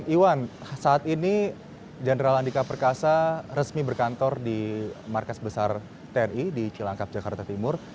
iwan saat ini jenderal andika perkasa resmi berkantor di markas besar tni di cilangkap jakarta timur